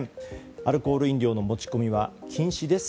アルコール飲料の持ち込みは禁止です。